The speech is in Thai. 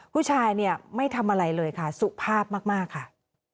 ผู้ชายเนี่ยไม่ทำอะไรเลยค่ะสุภาพมากค่ะ